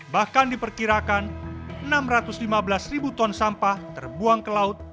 bahkan diperkirakan enam ratus lima belas ribu ton sampah terbuang ke laut